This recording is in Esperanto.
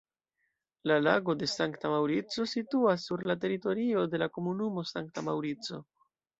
La Lago de Sankta Maŭrico situas sur la teritorio de la komunumo Sankta Maŭrico.